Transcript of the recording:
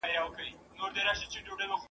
تر ماپښینه تر دوو دریو کلیو را تېر سو ..